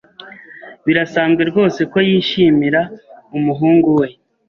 Birasanzwe rwose ko yishimira umuhungu we.